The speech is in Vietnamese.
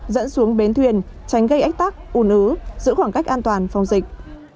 dẫn xuống bến thuyền tránh gây ách tắc un ứ giữ khoảng cách an toàn phòng dịch